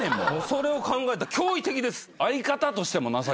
それを考えたら驚異的です！